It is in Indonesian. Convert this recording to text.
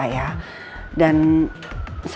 dan saya gak mau campur adukan urusan bisa bisa